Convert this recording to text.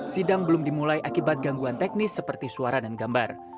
sidang belum dimulai akibat gangguan teknis seperti suara dan gambar